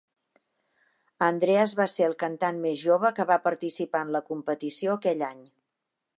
Andreas va ser el cantant més jove que va participar en la competició aquell any.